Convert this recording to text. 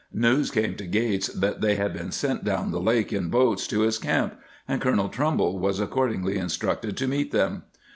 News came to Gates that they had been sent down the lake in boats to his camp, and Colonel Trumbull was accordingly instructed to meet them.